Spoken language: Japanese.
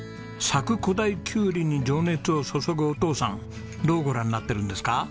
佐久古太きゅうりに情熱を注ぐお父さんどうご覧になってるんですか？